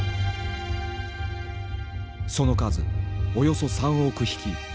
その数およそ３億匹。